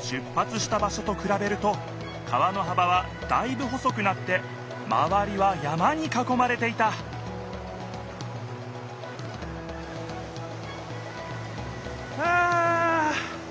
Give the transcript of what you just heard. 出ぱつした場しょとくらべると川のはばはだいぶ細くなってまわりは山にかこまれていたはあ！